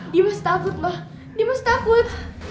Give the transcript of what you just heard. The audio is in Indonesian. dimas takut mbak dimas takut